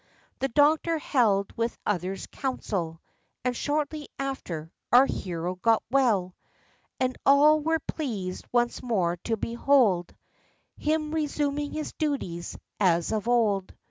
The doctor held with others council, And, shortly after, our hero got well; And all were pleased once more to behold Him resuming his duties, as of old.